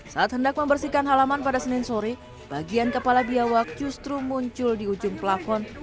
saat hendak membersihkan halaman pada senin sore bagian kepala biawak justru muncul di ujung pelafon